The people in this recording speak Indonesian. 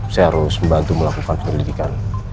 saya harus membantu melakukan pendidikan